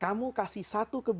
kamu kasih satu ke satu